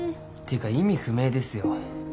っていうか意味不明ですよ。